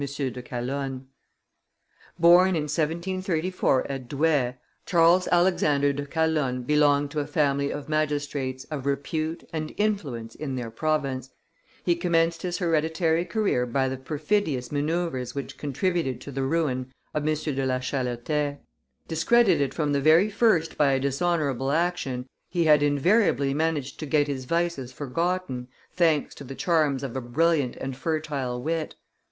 de Calonne. Born in 1734 at Douai, Charles Alexander de Calonne belonged to a family of magistrates of repute and influence in their province; he commenced his hereditary career by the perfidious manoeuvres which contributed to the ruin of M. de la Chalotais. Discredited from the very first by a dishonorable action, he had invariably managed to get his vices forgotten, thanks to the charms of a brilliant and fertile wit.